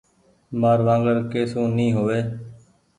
مآر وانگر ڪي سون ني هووي۔